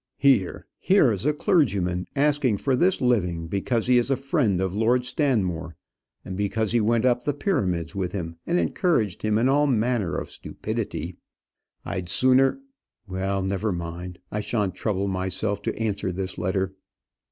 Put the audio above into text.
Here here is a clergyman asking for this living because he is a friend of Lord Stanmore because he went up the Pyramids with him, and encouraged him in all manner of stupidity. I'd sooner well, never mind. I shan't trouble myself to answer this letter."